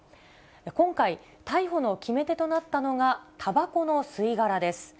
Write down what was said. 今回、逮捕の決め手となったのが、たばこの吸い殻です。